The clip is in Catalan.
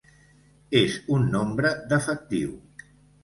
És un nombre defectiu.